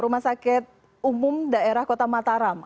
rumah sakit umum daerah kota mataram